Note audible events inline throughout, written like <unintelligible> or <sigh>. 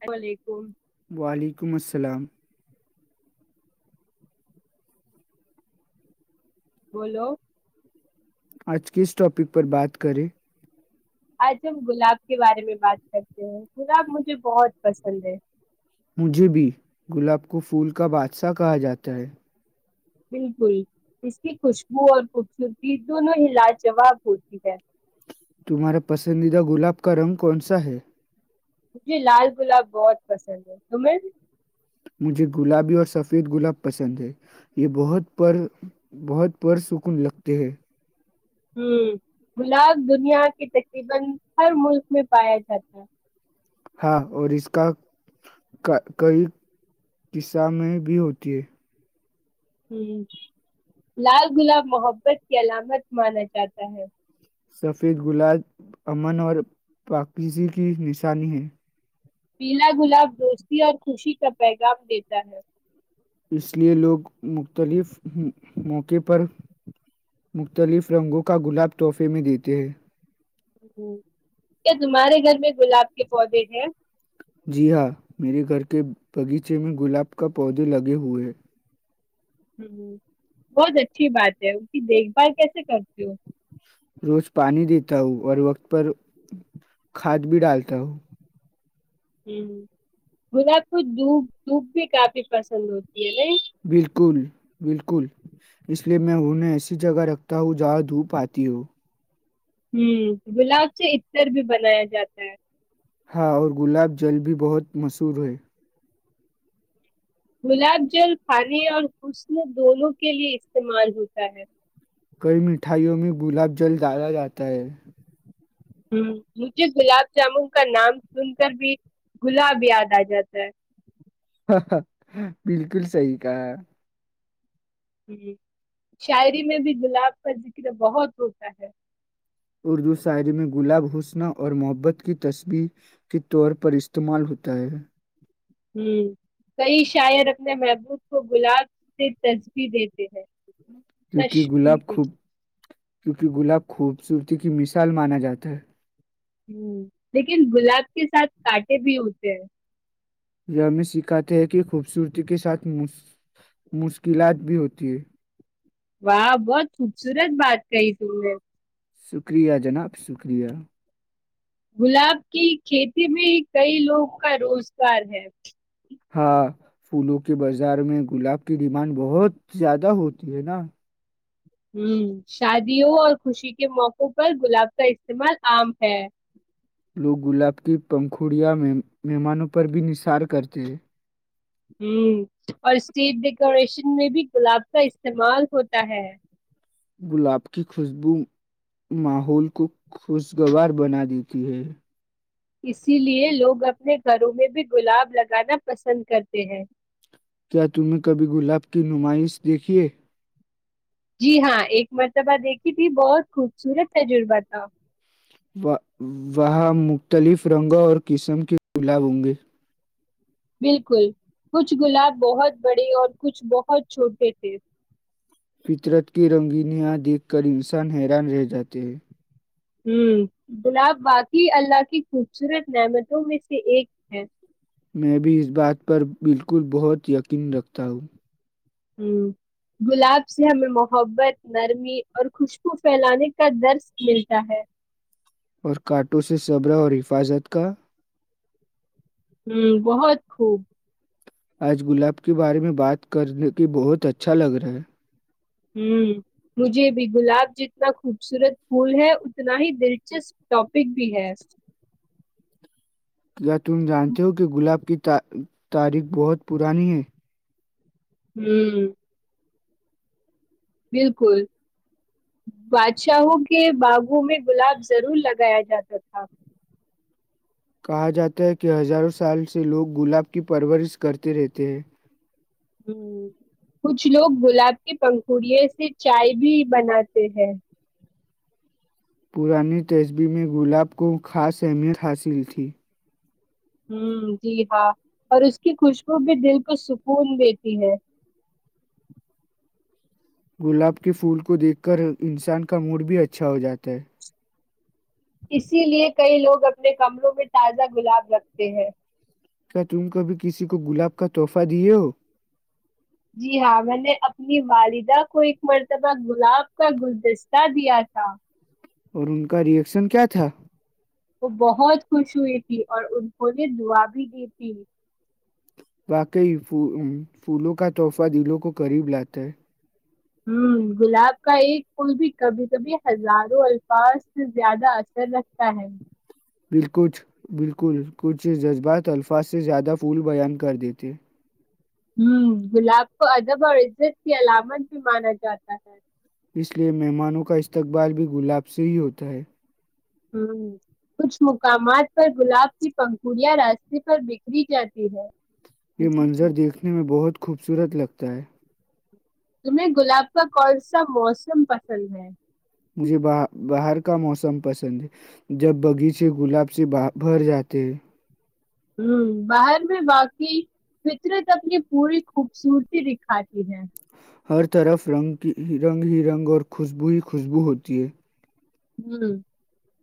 اللام علیکم و ععلیکم السلام بولو آج کس ٹاپک پر بات کریں آج ہم گلاب کے بارے میں بات کرتے ہیں گلاب مجھے بہت پسند ہے مجھے بھی گلاب کو پھول کا بادشاہ کہا جاتا ہے بالکل اس کی خوشبو اور خوبصورتی دونوں ہلا جواب ہوتی ہے تمہارا پسندیدہ گلاب کا رنگ کون سا ہے مجھے لال گلاب بہت پسند ہے تمیں مجھے گلابی اور سفید گلاب پسند ہے یہ بت بہت پرسکون لگتے ہے دنیا کی تقریبا ہر ملک میں <unintelligible> ہاں اور اس کا کئی قصہ میں بھی ہوتی ہے ہ لال گلاب محبت کی علامت مانا جاتا ہے سفید گلاب امن اور پاکیزی کی نشانی ہے بین گلاب دوستی اور خوشی کا پیغام دیتا ہے اس لئے لوگ مختلف موقع پر مختلف رنگوں کا گلاب تحفے میں دیتے ہیں کیا تمہارے گھر میں گلاب کے پودے ہیں جی ہاں میرے گھر کے باغیچے میں گلاب کا پودے لگے ہوئے ہیں ہ بہت اچھی بات ہے اس کی دیکھ بھال کیسے کرتی ہو روز پانی دیتا ہوں اور وقت پر کھاد بھی ڈالتا ہوں ہ گلاب کو دپ دپ بھی کافی پسند ہوتی ہے نہیں بالکل بالکل اس لیے میں انہیں ایسی جگہ رکھتا ہوں جہاں دھوپ آتی ہو ہوں گلاب سے ار بھی بنایا جاتا ہے ہاں اور گلاب جل بھی بہت مشہور ہے گلاب جل کھانے اور حسن دونوں کے لیئے استعمال ہوتا ہے کئی مٹھائیوں میں گلاب جل ڈالا جاتا ہے ہ مجھے گلاب جامن کا نام سن کر بھی گلاب یاد آ جاتا ہے بالکل صحی کا ہ شاعری میں بھی گلاب کا ذکر بہت ہوتا ہے <unintelligible> ہوں کئی شاعر اپنے محبوب کو گلاب سے تصبیح دیتے ہیں کیونکہ تشیح گلاب خوب کیونکہ گلاب خوبصورتی کی مثال مانا جاتا ہے ہ لیکن گلاب کے ساتھ کانٹے بھی ہوتے ہیں یہ ہمیں سکھاتے ہے کہ خوبصورتی کے ساتھ مشکلات بھی ہوتی ہے واہ بہت خوبصورت بات کئی ت میں شکریہ جناب شکریہ گلاب کی کھیتی میں کئی لوگوں کا روزگار ہے ہاں پھولوں کے بازار میں گلاب کی ڈیمانڈ بہت زیادہ ہوتی ہے نا ہ شادیوں اور خوشی کے موقعوں پر گلاب کا استعمال عام ہے لوگ گلاب کی پنکھوڑیاں مہمانوں پر بھی نثار کرتے ہیں ہ اور اسٹیج ڈیکوریشن میں بھی گلاب کا استعمال ہوتا ہے گلاب کی خوشبو ماحول کو خوشگوار بنا دیتی ہے اسی لیے لوگ اپنے گھروں میں بھی گلاب لگانا پسند کرتے ہیں کیا تمہیں کبھی گلاب کی نمائش دیکھیے؟ جی ہاں ایک مرتبہ دیکھی تھی بہت خوبصورت تجربہ تھا وہاں مختلف رنگوں اور قسم کے گلاب ہوں گے بالکل کچھ گلاب بہت بڑے اور کچھ بہت چھوٹے تھے فطرت کی رنگینیاں دیکھ کر انسان حیران رہ جاتے ہیں ہ گلاب واقی اللہ کی خوبصورت نعمتوں میں سے ایک ہے میں بھی اس بات پر بالکل بہت یقین رکھتا ہوں گلاب سے ہمیں محبت نرمی اور خوشبو پھیلانے کا درس ملتا ہے اور کٹو سے صبرہ اور حفاظت کا ہوں بہت خوب آج گلاب کے بارے میں بات کرنے کی بہت اچھا لگ رہا ہے ہ مجھے بھی گلاب جتنا خوبصورت پھول ہے اتنا ہی دلچسپ ٹاپک بھی ہے تم جانتے ہو کہ گلاب ک تاریخ بہت پرانی ہے ہوں بالکل بادشاہوں کے باغوں میں گلاب ضرور لگایا جاتا تھا کہا جاتا ہے کہ ہزاروں سال سے لوگ گلاب کی پرورش کرتے رہتے ہیں ہ کچھ لوگ گلاب کے پنکھڑیے سے چائے بھی بناتے ہیں پرانی تیزبی میں گلاب کو خاص اہمیت حاصل تھی ہ جی ہاں اور اس کی خوشبو بھی دل کو سکون دیتی ہے گلاب کے پھول کو دیکھ کر انسان کا موڈ بھی اچھا ہو جاتا ہے اسی لیے کئی لوگ اپنے کمروں میں تازہ گلاب رکھتے ہیں کیا تم کبھی کسی کو گلاب کا تحفہ دیے ہو جی ہاں میں نے اپنی والدہ کو ایک مرتبہ گلاب کا گلدستہ دیا تھا اور ان کا ریئیکشن کیا تھا وہ بہت خوش ہوئی تھی اور ان کووں نے دعا بھی دی تھی واقی پھولوں کا تحفہ دلوں کو قریب لاتا ہے ہ گلاب کا ایک پل بھی کبھی کبھی ہزاروں الفاظ سے زیادہ اثر رکھتا ہے بالکچھ بالکل کچھ جذبات الفاظ سے زیادہ پھول بیان کر دییتے ہ گلاب کو ادب اور عزت کی علامت بھی مانا جاتا ہے اس لیے مہمانوں کا استقبال بھی گلاب سے ہی ہوتا ہے ہ کچھ مقامات پر گلاب کی پنکھڑیاں راستے پر بکھری جاتی ہے یہ منظر دیکھنے میں بہت خوبصورت لگتا ہے تمہیں گلاب کا کون سا موسم پسند ہے مجھے ب باہر کا موسم پسند ہے جب باغیچے گلاب سے بھر جاتے ہیں ہ باہر میں باقعی فطرت اپنی پوری خوبصورتی دکھاتی ہے ہر طرف رنگ رنگ ہی رنگ اور خوشبو ہی خوشبو ہوتی ہے ہ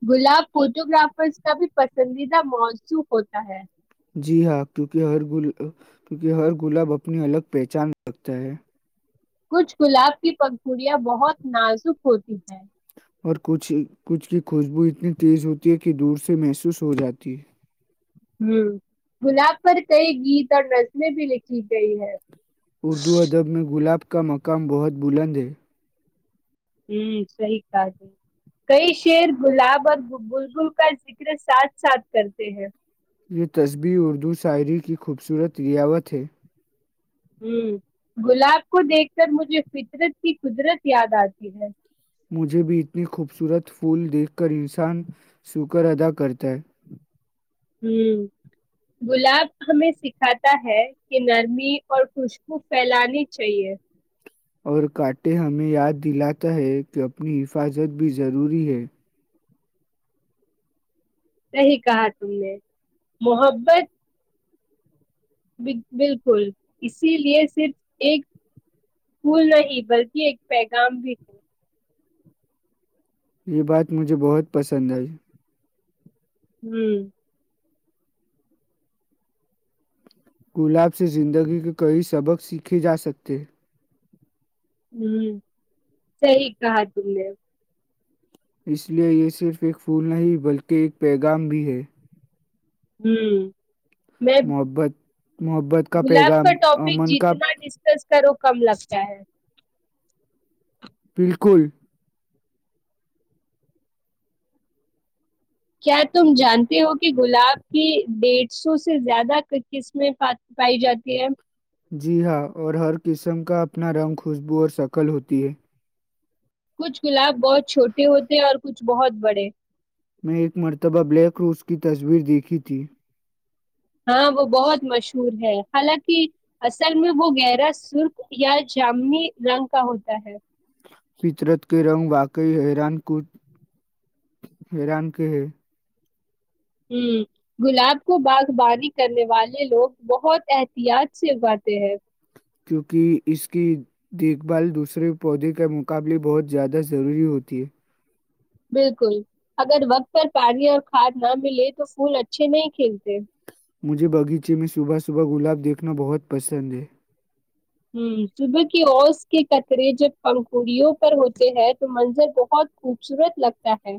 گلاب فوٹو گرافرس کا بھی پسندیدہ موضوع ہوتا ہے جی ہاں کیک کیکہ ہر گلاب اپنی الگ پہچان رکھتا ہے کچھ گلاب کی پکڑیاں بہت نازک ہوتی ہیں اورھ کچھ کی خوشبو اتنی تیز ہوتی ہے کہ دور سے محسوس ہو جاتی ہے ہ گلاب پر کئی گیت اور رسمیں بھی لکھی گئی ہے اردو ادب میں گلاب کا مقام بہت بلند ہے ہوں صحیح کہات ہے کئی شیر گلاب اور بلبل کا ذکر ساتھ ساتھ کرتے ہیں یہ تصبی اردو شاعری کی خوبصورت ریاوت ہے ہ گلاب کو دیکھ کر مجھے فطرت کی قدرت یاد آتی ہے مجھے بھی اتنی خوبصورت پھول دیکھ کر انسان شکر ادا کرتا ہے ہ گلاب ہمیں سکھاتا ہے کہ نرمی اور خوشبو پھیلانی چاہیے اور کٹے ہمیں یاد دلاتا ہے کہ اپنی حفاظت بھی ضروری ہے صحی کہا تم نے محبت بالکل اسی لیے صرف ایک پھول نہیں بلکہ ایک پیغام بھی ہے یہ بات مجھے بہت پسند آئی ہوں گلاب سے زندگی کے کئی سبق سیکھے جا سکتے ہوں صحیح کہا تم نے اس لیے یہ صرف ایک پھول نہیں بلکہ ایک پیغام بھی ہے ہوں میں محبت محبت گلاب کا پیغام ٹاپک امن کا جتنا ڈسکس کرو کم لگتا ہے بالکل کیا تم جانتے ہو کہ گلاب کی ڈیھ سو سے زیادہ قسمیں پائی جاتی ہے جی ہاں اور ہر قسم کا اپنا رنگ خوشبو اور شکل ہوتی ہے کچھ گلاب بہت چھوٹے ہوتے اور کچھ بہت بڑے میں ایک مرتبہ بلیک روس کی تصویر دیکھی تھی ہاں وہ بہت مشہور ہے حالانکہ اصل میں وہ گہرا سرخ یا جامنی رنگ کا ہوتا ہے فطرت کے رنگ واقعی حیران کو حیران کے ہے ہ گلاب کو باغبانی کرنے والے لوگ بہت احتیاط سے اگاتے ہیں کیونکہ اس کی دیکھ بھال دوسرے پودے کے مقابلے بہت زیادہ ضروری ہوتی ہے بالکل اگر وقت پر پانی اور کھاد نہ ملے تو پھول اچھے نہیں کھیلتے مجھے باغیچے میں صبح صبح گلاب دیکھنا بہت پسند ہے ہ صبح کی اوس کے کترے جب پنکڑیوں پر ہوتے ہیں تو منظر بہت خوبصورت لگتا ہے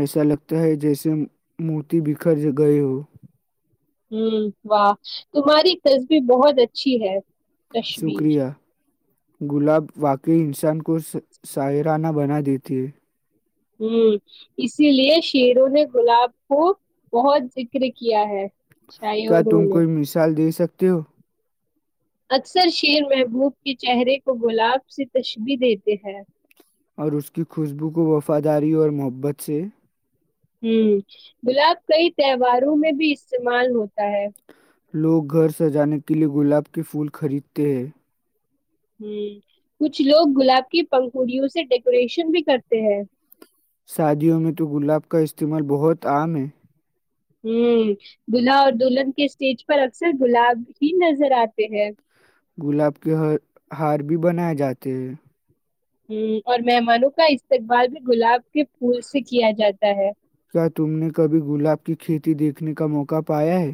ایسا لگتا ہے جیسے مورتی بکھر گئے ہو ہوں واہ تمہاری تصبی بہت اچھی ہے تشبیر شکریہ گلاب واقعی انسان کو ساحرانہ بنا دیتی ہے ہوں اسی لیے شیروں نے گلاب کو بہت ذکر کیا ہے کیا شاعروں تم نے کوئی مثال دے سکتے ہو اکثر شیر محبوب کے چہرے کو گلاب سے تشبیح دیتے ہیں اور اس کی خوشبو کو وفاداری اور محبت سے ہوں گلاب کئی تہواروں میں بھی استعمال ہوتا ہے لوگ گھر سجانے کے لیے گلاب کے پھول خریدتے ہیں ہ کچھ لوگ گلاب کی پنکڑیوں سے ڈیکوریشن بھی کرتے ہیں شادیوں میں تو گلاب کا استعمال بہت عام ہے ہوں دولہا اور دلہن کے اسٹیج پر اکثر گلاب ہی نظر آتے ہیں گلاب کے ہر ہار بھی بنائے جاتے ہیں ہ اور مہمانوں کا استقبال بھی گلاب کے پھول سے کیا جاتا ہے کیا تم نے کبھی گلاب کی کھیتی دیکھنے کا موقع پایا ہے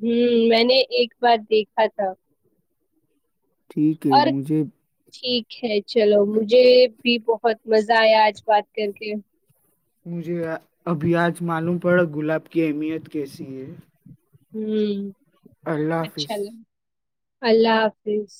ہوں میں نے ایک بار دیکھا تھا ٹھیک ہے اور مجھے ٹھیک چلو مجھے بھی بہت مزہ آیا آج بات کر کے مجھے ابھی آج معلوم پڑا گلاب کی اہمیت کیسی ہے ہوں اللہ حافظ اچھا لگا، اللہ حافظ